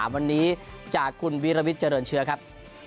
วันนี้จากคุณวิรวิทย์เจริญเชื้อครับ